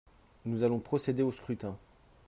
Nous allons procéder au scrutin.